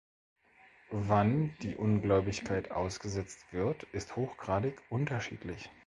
Wann die Ungläubigkeit ausgesetzt wird, ist hochgradig unterschiedlich.